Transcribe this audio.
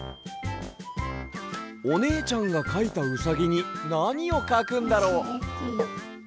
おねえちゃんがかいたうさぎになにをかくんだろう？